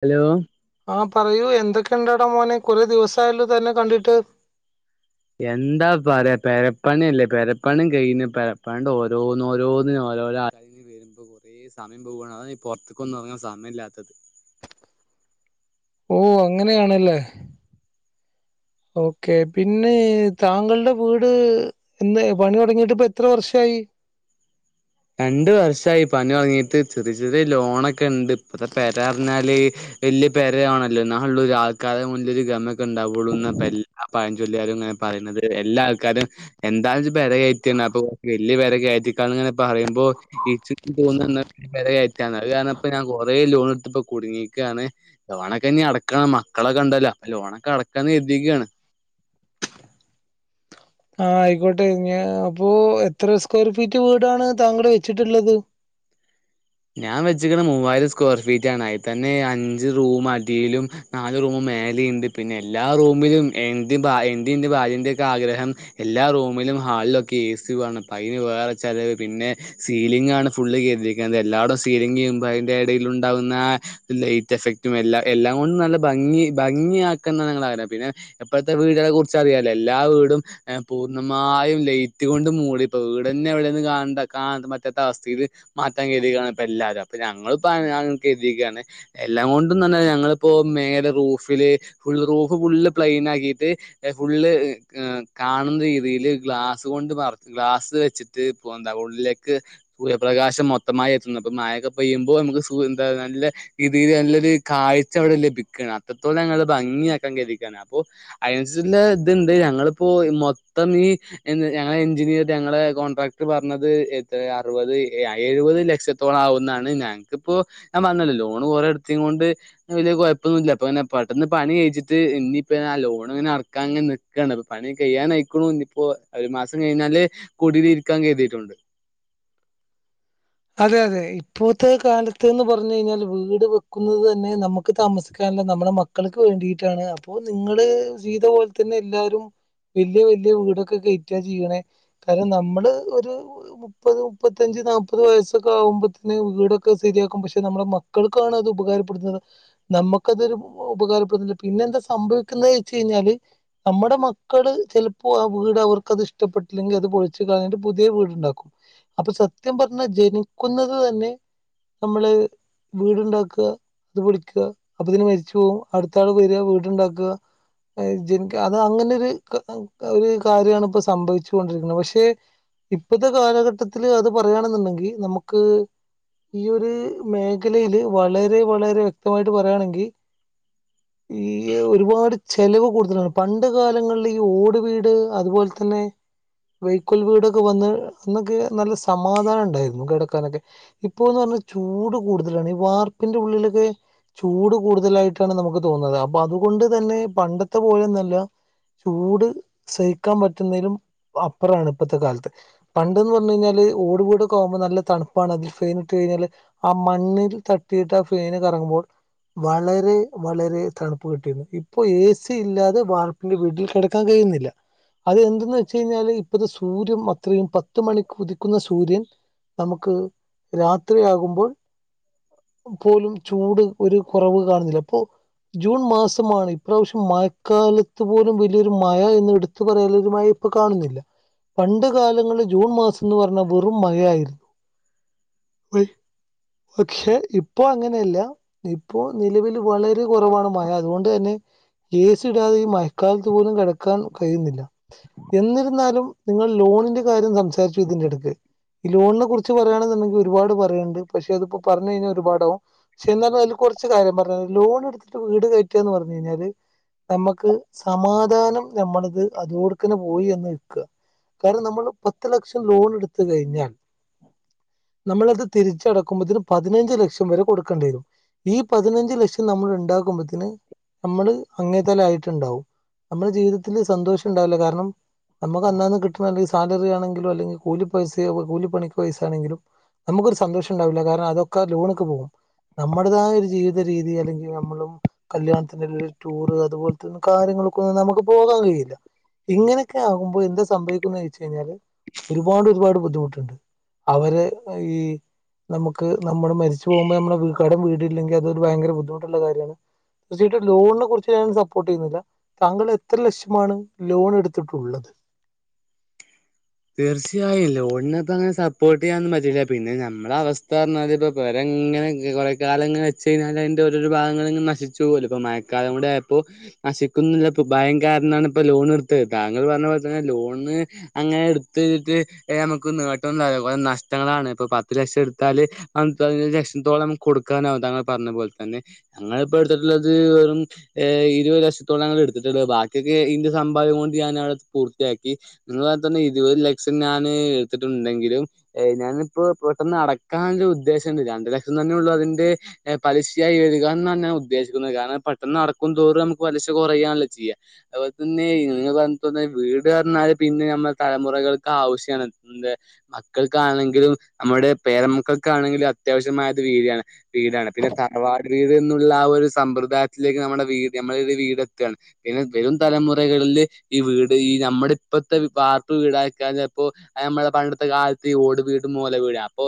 Hello ആ പറയൂ എന്തൊക്കെ ഇണ്ടടാ മോനെ കൊറെ ദിവസയാല്ലോ തന്നെ കണ്ടിട്ട് എന്താ പറയാ പെരപ്പണി അല്ലേ പെരപ്പണീം കഴിഞ് പെരപ്പാണ്ട് ഓരോന്നോരോന്ന് ഓരോ വരുമ്പോ കൊറേ സമയം പോവുവാണ് അതാണ് ഈ പുറത്തേക്കൊന്നും ഇറങ്ങാൻ സമയം ഇല്ലാത്തത് ഓ അങ്ങനെയാണല്ലേ ഓക്കെ പിന്നെ താങ്കളുടെ വീട് ന്ന് പണി തുടങ്ങിട്ട്പ്പ എത്ര വർഷായി. ഇ രണ്ട് വർഷായി പനി തൊട്‌ങ്ങിട്ട് ചെറിയ ചെറിയ ലോണൊക്കെ ണ്ട് ഇപ്പത്തെ പെര പറിഞ്ഞാല് വലിയ പേരയാണല്ലോ ന്നാ ഉള്ളൂ ആൾക്കാരെ മുന്നിലൊരു ഗമൊക്കെ ഉണ്ടാവൊളുന്ന പെ ആ പയഞ്ചൊല്ലിയാലും ഇങ്ങനെ പറയുന്നത് എല്ലാ ആൾക്കാരും എന്താ ഇജ് പെര കെയറ്റിണ് അപ്പൊ വല്യ പെര കെ എഴ്തിക്കാണിങ്ങനെ പറയുമ്പോ [unintelligible] പെര കയറ്റാന് അത് കാരണപ്പോ ഞാൻ കൊറെേ ലോൺ എടുത്തപ്പോ കുടുങ്ങി ക്കാണ് ലോണൊക്കെ ഇനി അടക്കണം മക്കളെക്കെ ഇണ്ടല്ലോ ലോണൊക്കെ അടക്കാന്ന് കര്തിക്കാണ് ആ ആയിക്കോട്ടെ ഇനി അപ്പൊ എത്ര സ്ക്വയർ ഫീറ്റ് വീടാണ് താങ്കൾ വെച്ചിട്ടുള്ളത്? ഞാൻ വെച്ചക്കുണ മൂവായിരം സ്ക്വയർ ഫീറ്റ് ആണ് ആയി തന്നെ അഞ്ച് റൂം അടിയിലും നാല് റൂമും മേലെ ണ്ട് പിന്നെ എല്ലാ റൂമിലും എന്ത്‌ ഭാ എന്റെ ഭാര്യന്റെക്കെ ആഗ്രഹം എല്ലാ റൂമിലും ഹാ ക്കെ എ സി വാണം അയിന് വേറെ ചെലവ് പിന്നെ സീലിങ്ങാണ് ഫുള്ള് കര്തിക്ക എല്ലാടം സീലിംങും അയിന്റെ ഇടേല് ഉണ്ടാവുന്ന ലൈറ്റ് എഫക്റ്റും എല്ല എല്ലാം കൊണ്ടും നല്ല ഭംഗി ഭംഗിയാക്കന്നങ്ങള പിന്നെ ഇപ്പോഴത്തെ വീടുകളെ കുറിച്ച് അറിയാലോ എല്ലാ വീടും എ പൂർണ്ണമാ ആായും ലൈറ്റ് കൊണ്ട് മൂളി ഇപ്പ ഇവിടെന്നെ എവിടെന്ന് കാണണ്ട കാണ പറ്റാത്ത അവസ്ഥയിൽ ഇത് മാറ്റാൻ കഴിയ ഇപ്പെ എല്ലാരും അപ്പൊ ഞങ്ങളപ്പോ [unintelligible] എല്ലാം കൊണ്ടും നല്ല ഞങ്ങളിപ്പോ [unintelligible] റൂഫില് ഫുള്ള് റൂഫ് ഫുൾ പ്ളയിൻ ആക്കീട്ട് ഫുൾ കാണുന്നരീതിയിൽ. ഗ്ലാസ് കൊണ്ട് ഗ്ലാസ് വെച്ചിട്ട് ഇ എന്താ ഉള്ളിലേക്ക് സൂര്യപ്രകാശം മൊത്തത്തില് മൊത്തമായി എത്തുന്ന അപ്പ മയൊക്കെ പെയ്യുമ്പോൾ നമുക്ക് സു എന്ത നല്ല രീതിയിൽ നല്ലൊരു കാഴ്ച അവിടെ ലഭിക്കാണ്. അത്രത്തോളം ഞങ്ങള് ഭംഗിയാക്കാൻ കെരുതീട്ടാണ് അപ്പൊ അതിനുസരിച്ചുള്ള ഇതുണ്ട് ഞങ്ങളിപ്പോ മൊത്തം നീ ഞങ്ങള എഞ്ചിനിയർ ഞങ്ങളെ കോൺട്രാക്ട് പറഞ്ഞത് എന്ത അറുപത് എഴുപത് ലക്ഷത്തോളം ആവുന്നാണ് ഞങ്ങക്കിപ്പോ ഞാൻ പറഞ്ഞല്ലോ ലോൺ കൊറെ എടുത്ത കൊണ്ട് വലിയ കുഴപ്പൊന്നുല്ല. [unintelligible] പെട്ടെന്ന് പണി കഴിച്ചിട്ട് ഇനിപ്പെ ആ ലോണ് ഇങ്ങനെ അടക്കാൻ ഇങ്ങനെ നിക്കാണ് പണി ഒകെ കഴിയാൻ ആയിക്കണു. ഇപ്പോ ഒരു മാസം കഴിഞ്ഞാല് കുടില് ഇരിക്കാൻ കെരുതീട്ടുണ്ട്. അതെ അതെ ഇപ്പോഴത്തെ കാലത്ത്ന്ന് പറഞ്ഞ കഴിഞ്ഞാൽ വീട് വെക്കുന്നത് തന്നെ നമുക്ക് താമസിക്കാനുള്ള നമ്മുടെ മക്കൾക്ക് വേണ്ടിയിട്ടാണ് അപ്പൊ നിങ്ങള് ചെയ്ത പോലെ തന്നെ എല്ലാരും. വലിയ വല്യ വീടൊക്കെ കയറ്റാ ചെയ്യണേ കാരണം നമ്മള് ഒരു മുപ്പത് മുപ്പത്തഞ്ച് നാല്പ്പത് വയസാക്കെ ആകുമ്പോത്തെ വീടൊക്കെ ശരിയാക്കും പക്ഷെ നമ്മുടെ മക്കൾക്കാണ് അത് ഉപകാരപ്പെടുന്നത് നമു നമുക്കതൊരു ഉപകാരപ്പെടുന്നില്ല പിന്നെ എന്താ സംഭവിക്കുന്നത് വെച്ച് കഴിഞ്ഞാല് നമ്മുടെ മക്കള് ചെ ലപ്പോ ആ വീട് അവർക്കത് ഇഷ്ടപ്പെട്ടില്ലെങ്കിൽ അത് പൊളിച്ച്കളഞ്ഞിട്ട് പുതിയ വീടുണ്ടാക്കും അപ്പൊ സത്യം പറ ജനിക്കുന്നത് തന്നെ നമ്മള് വീടുണ്ടാക്കുക അത് പിടിക്കുക അപ്പൊഴുതേനും മരിച്ചു പോകും അടുത്താൾ വരിക വീടുണ്ടാക്കുക ജനിക്ക് അത് അങ്ങനെ ഒരു ഒരു കാര്യമാണ് ഇപ്പോ സംഭവിച്ചു കൊണ്ടിരിക്കുന്നത് പക്ഷെ ഇപ്പോത്തെ കാലഘട്ടത്തില് അത് പറയാണെന്നുണ്ടെങ്കി നമുക്ക്. ഈ ഒരു മേഖലയില് വളരെ വളരെ വ്യക്തമായിട്ട് പറയുകയാണെങ്കിൽ. ഈ ഒരുപാട് ചെലവ് കൂടുതലാണ് പണ്ട് കാലങ്ങളിൽ ഈ ഓട് വീട് അതുപോലെ തന്നെ. വൈക്കോൽ വീടൊക്കെ വന്ന് അന്നൊക്കെ നല്ല സമാധാനം ഉണ്ടായിരുന്നു കിടക്കാനൊക്കെ ഇപ്പ എന്ന് പറഞ്ഞ ചൂട് കൂടുതലാണ് ഈ വാർപ്പിന്റെ ഉള്ളിലൊക്കെ. ചൂട് കൂടുതലായിട്ടാണ് നമുക്ക് തോന്നുന്നത് അപ്പൊ അതുകൊണ്ട് തന്നെ പണ്ടത്തെ പോലെയൊന്നുമല്ല. ചൂട് സഹിക്കാൻ പറ്റുന്നതിലും. അപ്പുറാണ് ഇപ്പഴത്തെ കാലത്ത് പണ്ടന്ന് പറഞ്ഞ് കഴിഞ്ഞാല് ഓട് വീട്. കുമ്പോ നല്ല തണുപ്പാണ് അതിൽ ഫാൻ ഇട്ട് കഴിഞ്ഞാല് ആ മണ്ണിൽ തട്ടിയിട്ട് ആ ഫേൻ കറങ്ങുമ്പോൾ. വളരെ വളരെ തണുപ്പ് കിട്ടിരുന്നു ഇപ്പൊ എ സി ഇല്ലാതെ വാർപ്പിന്റെ വീട്ടിൽ കിടക്കാൻ കഴി കഴിയുന്നില്ല. അതന്തെന്ന് വെച്ച് കഴിഞ്ഞാല് ഇപ്പത്തെ സൂര്യം അത്രയും പത്ത് മണിക്കുകുതിക്കുന്ന സൂര്യൻ. നമുക്ക് രാത്രിയാകുമ്പോൾ. പോലും ചൂട് ഒരു കുറവ് കാണുന്നില്ല അപ്പൊ ജൂൺ മാസമാണ് ഇപ്രാവശ്യം മഴക്കാലത്ത് പോലും വലിയൊരു മയ എന്ന് എടുത്തു പറയാൻ ഒരു മ കാണുന്നില്ല പണ്ട് കാലങ്ങളിൽ ജൂൺ മാസംന്ന് പറഞ്ഞാൽ വെറും മയയായിരുന്നു. പക്ഷെ ഇപ്പോ അങ്ങനെയല്ല ഇപ്പോ നിലവിൽ. വളരെ കുറവാണ് മയ അതുകൊണ്ട് തന്നെ. എസി ഇടാതെ ഈ മയക്കാലത്ത് പോലും കിടക്കാൻ കഴിയുന്നില്ല എന്നിരുന്നാലും നിങ്ങൾ. ലോണിന്റെ കാര്യം സംസാരിച്ചു ഇതിന്റെടുക്ക്. ലോണിനെ കുറിച്ച് പറയാണ് ന്നിണ്ടെങ്കിൽ ഒരുപാട് പറയാനുണ്ട് പക്ഷെ അതിപ്പോ പറഞ്ഞ് കഴിഞ്ഞാൽ ഒരുപാടാകും പക്ഷെന്ത അതില് കുറച്ച്. കാര്യം പറഞ്ഞ ലോൺ എടുത്തിട്ട് വീട് കയറ്റുക എന്ന് പറഞ്ഞു കഴിഞ്ഞാല്. നമുക്ക് സമാധാനം നമ്മളിത് അതോടുക്കനെ പോയി എന്ന് വെക്ക. കാരണം നമ്മൾ പത്ത് ലക്ഷം ലോൺ എടുത്തു കഴിഞ്ഞാൽ. നമ്മളത് തിരിച്ചടക്കുമ്പോതിന് പതിനഞ്ച് ലക്ഷം വരെ കൊടുക്കേണ്ടി വരും ഈ പതിനഞ്ച് ലക്ഷം നമ്മൾ. ഉണ്ടാക്കുമ്പത്തിന് നമ്മള് അങ്ങേ തല ആയിട്ട്ണ്ടാവും. നമ്മുടെ ജീവിതത്തില്ൽ സന്തോഷം ഉണ്ടാവില്ല കാരണം. നമുക്ക് അന്നാന്ന് കിട്ടണെങ്കിൽ സാലറി ആണെങ്കിലോ അല്ലെങ്കിൽ കൂലിപൈസോ കൂല പണിക്ക് പയിസാണെങ്കിലും നമുക്കൊരു സന്തോഷം ഉണ്ടാവില്ല കാരണം അതൊക്കെ ലോണിക്ക് പോകും. നമ്മുടേതായ ഒരു ജീവിത രീതി അല്ലെങ്കിൽ നമ്മളും കല്യാണത്തി ടൂറ് അതുപോലെ തന്നെ കാര്യങ്ങ നമുക്ക് നമുക്ക് പോകാൻ കഴിയില്ല ഇങ്ങനെയൊക്കെ ആകുമ്പോ എന്താ സംഭവിക്കാന്ന് വെച്ച് കഴിഞ്ഞാല് ഒരുപാട് ഒരുപാട് ബുദ്ധിമുട്ടുണ്ട് അവര് ഈ നമുക്ക് നമ്മള് മരിച്ചു പോകുമ്പോ നമ്മുടെ വീ കടം വീടി കഴിഞ്ഞില്ലെങ്കി അതൊരു ഭയങ്കര ബുദ്ധിമുട്ടുള്ള കാര്യമാണ് [unintelligible] ലോണിനെ കുറിച്ച് ഞാൻ സപ്പോർട്ട് ചെയ്യുന്നില്ല താങ്കൾ എത്ര ലക്ഷമാണ് ലോൺ എടുത്തിട്ടുള്ളത് [inaudible] തീർച്ചയായും ലോണിനപ്പ അങ്ങനെ സപ്പോർട്ട് ചെയ്യാനന്നും പറ്റില്ല പിന്നെ ഞമ്മളെ അവസ്ഥ എന്നാല് ഇപ്പൊ പെര [unintelligible] ഇങ്ങനെ [unintelligible] കുറേ കാലങ്ങിനെ വെച്ച് കഴിഞ്ഞാൽ അതിൻറെ ഓരോരോ ഭാഗങ്ങളിങ്ങനെ നശിച്ചു പോകല്ലോ ഇപ്പോൾ മഴക്കാലം കൂടിയായപ്പോ നശിക്കുന്നില്ല ഇപ്പ ഭയം കാരണാണ് ഇപ്പ ലോൺ എടുത്തത് താങ്കൾ പറഞ്ഞ പോലെ തന്നെ ലോണ് അങ്ങനെ [inaudible] [unintelligible] തിട്ട് നമുക്ക് നേട്ടം [unintelligible] കുറേ നഷ്ടങ്ങളാണ് ഇപ്പൊ പത്ത് ലക്ഷം എടുത്താല് അതി [unintelligible] [unintelligible] കൊടുക്കാനും താങ്കൾ പറഞ്ഞ പോലെ തന്നെ ഞങ്ങളിപ്പോ എടുത്തിട്ടുള്ളത് വെറും ഇരുപത് ലക്ഷ ത്തോളങ്ങൾ എടുത്തിട്ടുള്ളത് ബാക്കിക്കെ ഇന്റെ സമ്പാദ്യം കൊണ്ട് ഞാൻ അതു പൂർത്തിയാക്കി ഇങ്ങള് പറഞ്ഞ തന്നെ ഇരുപത് ലക്ഷം ഞാൻ എടുത്തിട്ടുണ്ടെങ്കിലും എ ഞാനിപ്പോ പെട്ടെന്ന് അടക്കാനൊരു ഉദ്ദേശം [unintelligible] രണ്ട് ലക്ഷം തന്നെ ഉള്ളൂ അതിന്റെ പലിശയായി വരിക എന്നാണ് ഞാൻ ഉദ്ദേശിക്കുന്നത് കാരണം പെട്ടെന്ന് അടക്കുംതോറും നമു പലിശ കുറയാണല്ലോ ചെയ്യാ അതുപോലെ തന്നെ നിങ്ങ പറഞാൽ വീട് ന്ന് പറഞ്ഞാൽ പിന്നെ നമ്മ തലമുറകൾക്ക് ആവശ്യമാണ് എന്തേ മക്കൾക്കാണെങ്കിലും നമ്മുടെ പേരമക്കൾക്കാണെങ്കിലും [unintelligible] വീടാണ് പിന്നെ തറവാട് വീട് എന്നുള്ള ആ ഒരു സമ്പ്രദായത്തിലേക്ക് നമ്മുടെ വീട് നമ്മള ഒരു വീട് വയ്ക്കാണ് പിന്നെ വരും തലമുറകളില് ഈ വീട് ഈ നമ്മുടെ ഇപ്പഴത്തൊ ഭാ വീടാക്ക അപ്പോ ഞമ്മള പണ്ടത്തെ കാലത്ത് ഈ ഓട് വീടും ഓല വീടും അപ്പൊ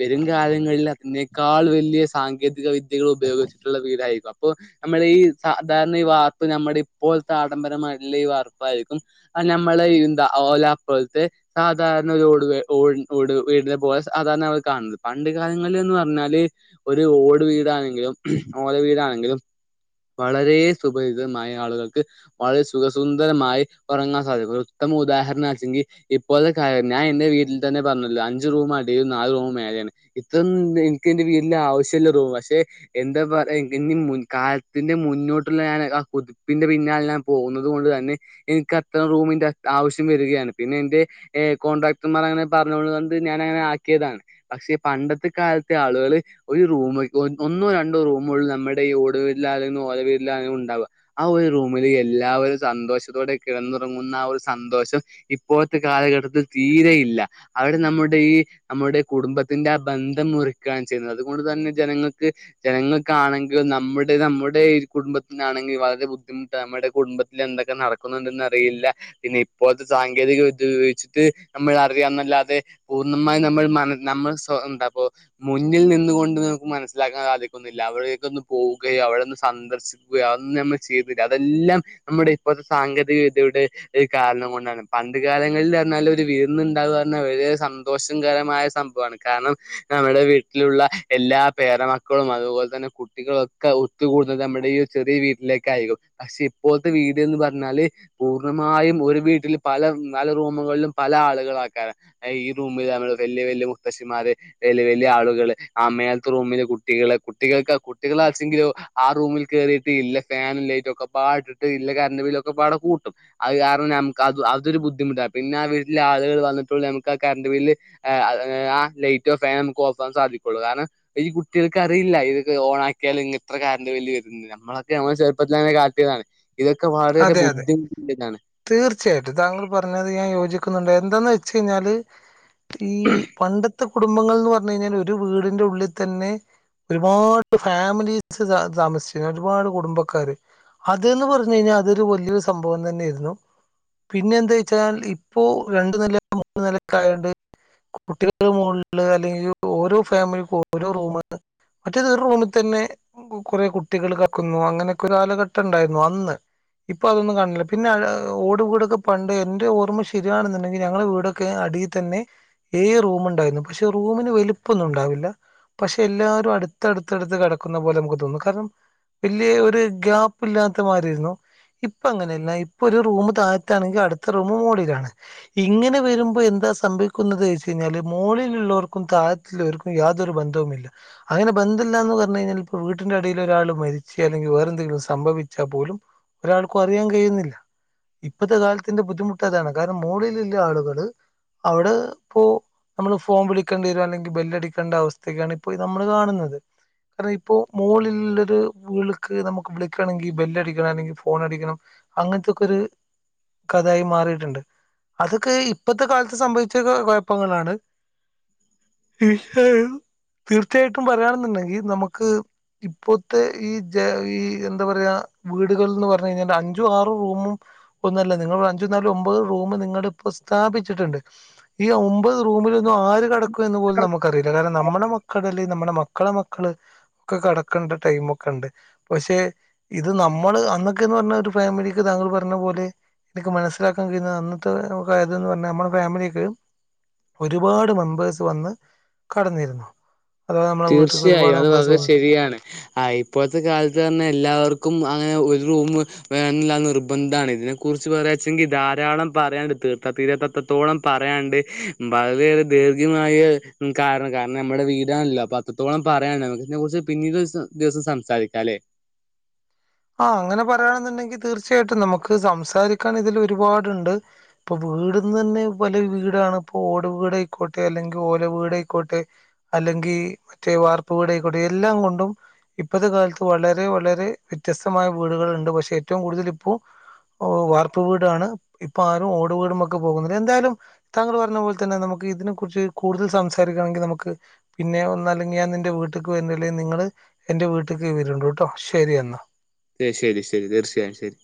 വരും കാലങ്ങളിൽ അതിനേക്കാൾ വലിയ സാങ്കേതിക വിദ്യകൾ ഉപയോഗിച്ചിട്ടുള്ള വീടായിരിക്കാം ഇപ്പ നമ്മള ഈ സാധാരണ ഈ വാർപ്പ് നമ്മുടെ ഇപ്പോഴത്തെ ആഡംബരമായിട്ടുള്ള ഈ വാർപ്പായിരിക്കും ഞമ്മള ഈ ഓല അപ്പോഴത്തെ സാധാരണ ഒരു ഓട് ഓ ഓട് വീടിനെ പോലെ സാധാരണ അവർ കാണുന്നത് [inaudible] പണ്ട് കാലങ്ങളിൽ ന്ന് പറഞ്ഞാല് ഒരു ഓട് വീടാണെങ്കിലും ഓല വീടാണെങ്കിലും വളരെ [unintelligible] ആളുകൾക്ക് വളരെ സുഖ സുന്ദരമായി ഉറങ്ങാൻ [unintelligible] മൊത്തം ഉദാഹരണം ആച്ചെങ്കിൽ ഇപ്പോഴത്തെ [unintelligible] ഞാൻ എന്റെ വീട്ടിൽ തന്നെ പറഞ്ഞൂലോ അഞ്ച് റൂം അടീലും നാല് റൂം മേല് [unintelligible] ഇതൊന്നും എന ഇൻക് എന്റെ വീട്ടില് ആവശ്യള്ള റൂം പക്ഷെ എന്താ പറയാ [unintelligible] ഇതിന്റെ മുന്നോട്ടുള്ള ഞാൻ ആ കുതിപ്പിന്റെ പിന്നാലെ ഞാൻ പോകുന്നത് കൊണ്ട് തന്നെ എനിക്ക് അത്തരം റൂമിന്റെ ആവശ്യം വരികയാണ് പിന്നെ എന്റെ എ കോൺട്രാക്ടർമാർ അങ്ങനെ പറഞ്ഞതുകൊണ്ട് ഞാനങ്ങനെ ആക്കിയതാണ് പക്ഷേ പണ്ടത്തെ കാലത്തെ ആളുകൾ ഒരു റൂമ് വയ്ക്കും. ഒന്നോ രണ്ടോ റൂമുകള് നമ്മുടെ ഈ ഓടുവീട്ടി [unintelligible] ആ ഒരു റൂമില് എല്ലാവരും സന്തോഷത്തോടെ കിടന്നുറങ്ങുന്ന ആ ഒരു സന്തോഷം ഇപ്പോഴത്തെ കാലഘട്ടത്തിൽ തീരെയില്ല അവിടെ നമ്മുടെ ഈ നമ്മുടെ കുടുംബ ഇതിന്റെ ആ ബന്ധം മുറിക്കാണ് ചെയ്യുന്നത് അതുകൊണ്ട് തന്നെ ജനങ്ങൾക്ക് ജനങ്ങൾക്കാണെങ്കിലും നമ്മുടെ [unintelligible] [unintelligible] ഈ കുടുംബത്തിനാണെങ്കിൽ [unintelligible] ബുദ്ധിമുട്ട് നമ്മുടെ കുടുംബത്തിൽ എന്തൊക്കെ നടക്കുന്നുണ്ടെന്ന് അറിയില്ല. പിന്നെ ഇപ്പോഴത്തെ സാങ്കേതികവിദ്യ ഉപയോഗിച്ചിട്ട് നമ്മൾ അറിയാം എന്നല്ലാതെ പൂർണ്ണമായും നമ്മൾ [inaudible] നമ്മൾ സ് എന്താപ്പോ മുന്നിൽ നിന്ന് കൊണ്ട് നമുക്ക് മനസ്സിലാക്കാൻ സാധിക്കുന്നില്ല അവിടെക്കൊന്ന് പോവുകയോ അവ ഒന്ന് സന്ദർശിക്കുകയോ അതൊന്നും ഞമ്മൾ ചെയ്യുന്നില്ല അതെല്ലാം നമ്മുടെ ഇപ്പോഴത്തെ സാങ്കേതിക വിദ്യയുടെ ഒരു കാരണം കൊണ്ടാണ് പണ്ട് കാലങ്ങളിൽ എന്നാല് ഒരു വീടിനുണ്ടാവുന്ന ഒരു സന്തോഷകരമായ സംഭ കാരണം നമ്മുടെ വീട്ടിലുള്ള എല്ലാ പേരമക്കളും അതുപോലെ തന്നെ കുട്ടികളും ഒക്കെ [unintelligible] ഒത്ത് കൂടുന്നത് നമ്മുടെ ഈ ചെറിയ വീട്ടിലേക്ക് ആയിരിക്കും പക്ഷെ ഇപ്പോഴത്തെ വീട്ന്ന് പറഞ്ഞാല് [unintelligible] മായും ഒരു വീട്ടിൽ പല പല റൂമുകളിലും പല ആളുകളാക്കാരം ഈ റൂമിൽ [unintelligible] വലിയ വ മുത്തശിമാര് വലിയ വലിയ ആളുകള് ആ മേലത്തെ റൂമില് കുട്ടികള് കുട്ടികൾക്ക് കുട്ടികളാ [unintelligible] ആറൂമിൽ കേറിയിട്ട് ഇല്ല ഫാനും ലൈറ്റും ഒക്കെ പാടിട്ട് ഇല്ല കറണ്ട് ബില്ലൊക്ക പാട കൂട്ടും അത് കാരണം ഞമുക്ക് അത് അതൊരു ബുദ്ധിമുട്ടാ പിന്നെ ആ വീട്ടിലെ ആളുകൾ വന്നപ്പോൾ നമുക്ക് ആ കറണ്ട് ബില്ല് [unintelligible] ആ ലൈറ്റോ ഫാനോ നമുക്ക് ഓഫാൻ സാധിക്കുള്ളൂ കാരണം ഈ കുട്ടികൾക്ക് അറിയില്ല ഇത് ഓൺ ആക്കിയാൽ ഇങ്ങന [unintelligible] നമ്മളൊക്കെ നമ്മുടെ ചെറുപ്പത്തിൽ അങ്ങനെ കാട്ടിയതാണ് ഇതൊക്കെ വളരേറെ അതെ അതെ [unintelligible] തീർച്ചയായിട്ടും താങ്കൾ പറഞ്ഞത് ഞാൻ യോജിക്കുന്നുണ്ട് എന്തന്ന് വെച്ച് കഴിഞ്ഞാല് ഈ പണ്ടത്തെ കുടുംബങ്ങൾ എന്ന് പറഞ്ഞു കഴിഞ്ഞാൽ ഒരു വീടിന്റെ ഉള്ളിൽ തന്നെ ഒരുപാട് ഫാമിലീസ് താമ താമസിച്ചിരുന്നു ഒരുപാട് കുടുംബക്കാര് അത്ന്ന് പറഞ് കഴിഞ്ഞാൽ അതൊരു വലിയൊരു സംഭവം തന്നെയായിരുന്നു പിന്നെ എന്താ വെച്ചാൽ ഇപ്പോ രണ്ട്‌ നെല മൂന്ന്‌ നെലയൊക്കെ ആയോണ്ട് കുട്ടികുടെ മുകളില് അല്ലെങ്കിൽ ഓരോ ഫാമിലിക്ക് ഓരോ റൂമാണ് മറ്റൊരു ഒരു റൂമി തന്നെ കുറെ കുട്ടികൾ കക്കുന്നു അങ്ങനെയൊക്കെ ഒരു കാലഘട്ടം ഉണ്ടായിരുന്നു അന്ന് ഇപ്പൊ അതൊന്നും കാണണില്ല പിന്നെ ഓട് വീടൊക്കെ പണ്ട് എന്റെ ഓർമ്മ ശരിയാണെന്നുണ്ടെങ്കിൽ ഞങ്ങള വീടൊക്കെ അടി തന്നെ ഏയ് റൂമുണ്ടായിരുന്നു പക്ഷെ റൂമിന് വലുപ്പൊന്നും ഉണ്ടാവില്ല പക്ഷെ എല്ലാരും അടുത്തടുത്തടുത്ത് കിടക്കുന്ന പോലെ നമുക്ക് തോന്നും കാരണം വല്യ ഒരു ഗ്യാപ്പ് ഇല്ലാത്ത മാരിരുന്നു ഇപ്പ അങ്ങനെയല്ല ഇപ്പൊ ഒരു റൂമ് തായത്താണെങ്കിൽ അടുത്ത റൂമ് മോളിലാണ് ഇങ്ങനെ വരുമ്പോ എന്താ സംഭവിക്കുന്നത് ചയിഞ്ഞാല് മോളിലുള്ളവർക്കും തഴത്തിള്ളവർക്കും യാതൊരു ബന്ധവുമില്ല അങ്ങനെ ബന്ധ ന്ധല്ലാന്ന് പറഞ്ഞഴിഞ്ഞാൽ ഇപ്പൊ വീട്ടിന്റെ അടിയിൽ ഒരാൾ മരിച്ച് അല്ലെങ്കി വേറെ എന്തെലും സംഭവിച്ചാ പോലും ഒരാൾക്കും അറിയാൻ കയ്യുന്നില്ല ഇപ്പത്തെ കാലത്തിന്റെ ബുദ്ധിമുട്ട് അതാണ് കാരണം മോളിലുള്ള ആളുകള് അവിടെ ഇപ്പോ നമ്മള് ഫോൺ വിളിക്കണ്ടി വരും അല്ലെങ്കിൽ ബെല്ലടിക്കേണ്ട അവസ്ഥക്കാണ് ഇപ്പോ നമ്മള് കാണുന്നത് കാരണം ഇപ്പോ മോളിലുള്ളത് വിളിക്ക് നമുക്ക് വിളിക്കണെങ്കിൽ ബെല്ലടിക്കണല്ലെങ്കിൽ ഫോൺ ഫോണടിക്കണം അങ്ങനത്തൊക്കെ ഒരു കഥായി മാറിട്ടുണ്ട് അതൊക്കെ ഇപ്പത്തെ കാലത്ത് സംഭവിച്ച കുഴപ്പങ്ങളാണ് തീർച്ചയായിട്ടും പറയാണെന്നുണ്ടെങ്കിൽ നമുക്ക് ഇപ്പോത്തെ ഈ ജ ഈ എന്താ പറയാ വീടുകളൾന്ന് പറ പറഞഴിഞ്ഞാ അഞ്ചു ആറും റൂമും ഒന്നല്ല നിങ്ങലിവിടെ അഞ്ചു നാല് ഒമ്പത് റൂമ് നിങ്ങടെ ഇപ്പ സ്ഥാപിച്ചിട്ടുണ്ട് ഈ ഒമ്പത് റൂമിലൊന്നും ആര് കെടക്കും എന്ന് പോലും നമുക്കറിയില്ല കാരണം നമ്മുടെ മക്കളല്ലേ നമ്മുടെ മക്കള മക്കള് ഒക്കെ കിടക്കണ്ട ടൈമൊക്കെ ഇണ്ട് പക്ഷെ ഇത് നമ്മള് അന്ന്‌ ന്നൊക്കെ പറഞ്ഞാ ഒരു ഫാമിലിക്ക് താങ്കൾ പറഞ്ഞ പോലെ എനിക്ക് മനസ്സിലാക്കാൻ കഴിയുന്നത് അന്നത്തെ ഇതന്ന് പറഞ്ഞ നമ്മുടെ ഫാമിലിക്ക്‌ ഒരുപാട് മെമ്പേഴ്സ് വന്ന് കടന്നിരുന്നു അഥവാ നമ്മളെ വീട്ടിലേക്ക് തീർച്ചയായും ഒരുപാട് അത് മെമ്പേഴ്സ് വളരെ വന്നു ശരിയാണ് ആ ഇപ്പോഴത്തെ കാലത്ത് തന്നെ എല്ലാവർക്കും അങ്ങനെ റൂമ് വേണന്നില്ല നിർബന്ധമാണ് ഇതിനെ കുറിച്ച് പറയാച്ചെങ്കിൽ ധാരാളം പറയാണ്ട് തീർത്താ തീരാത്ത അത്ര ത്രത്തോളം പറയാണ്ട് വളരെറെ ദീർഘ്യമായ കാരണം കാരണം നമ്മുടെ വീടാണല്ലോ അപ്പത്രത്തോളം പറയാണ്ട്‌ നമുക്ക് ഇതിനെ കുറിച്ച് പിന്നീട് ഒരു ദിവസം സംസാരിക്കാല്ലേ ആഹ് അങ്ങനെ പറയാണെന്നുണ്ടെങ്കിൽ തീർച്ചയായിട്ടും നമുക്ക് സംസാരിക്കാനിതിൽ ഒരുപാടുണ്ട് ഇപ്പൊ വീട്ന്നന്നെ പല വീടാണ് ഇപ്പോ ഓട് വീ ടയിക്കോട്ടെ അല്ലെങ്കിൽ ഓല വീടായിക്കോട്ടെ അല്ലെങ്കിൽ മറ്റേ വാർക്ക വീടായിക്കോട്ടെ എല്ലാം കൊണ്ടും ഇപ്പോത്തെ കാലത്ത് വളരെ വളരെ വ്യത്യസ്തമായ വീടുകളുണ്ട് പക്ഷെ ഏറ്റവും കൂടുതൽ ഇപ്പോ ഓ വാർക്ക വീടാണ് ഇപ്പ ആരും ഓട് വീടുവെക്കപോകുന്നില്ല എന്തായാലും താങ്കൾ പറഞ്ഞ പോലെ തന്നെ നമുക്ക് ഇതിനെ കുറിച്ച് കൂടുതൽ സംസാരിക്കണെങ്കിൽ നമുക്ക് പിന്നെ ഒന്നല്ലെങ്കിൽ ഞാൻ നിന്റെ വീട്ടിക്ക് വരുന്നല്ലേൽ നിങ്ങള് എന്റെ വീട്ടിക്ക് വരുണ്ട്ട്ടോ ശരി എന്നാ ശരി ശരി തീർച്ചയായും ശരി